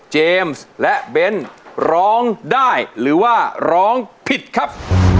และเบ้นร้องได้หรือว่าร้องผิดครับ